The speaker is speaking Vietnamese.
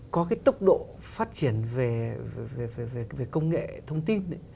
có cái tốc độ phát triển về công nghệ thông tin